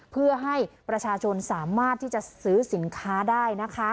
เพื่อให้ประชาชนสามารถที่จะซื้อสินค้าได้นะคะ